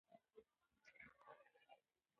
تاسي باید د نویو اختراعاتو په اړه ولولئ.